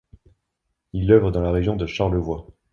Il œuvre dans la région de Charlevoix.